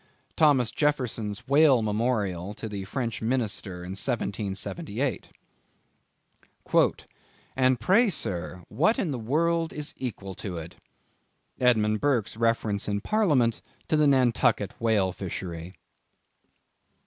—Thomas Jefferson's Whale Memorial to the French minister in 1778. "And pray, sir, what in the world is equal to it?" —Edmund Burke's reference in Parliament to the Nantucket Whale Fishery.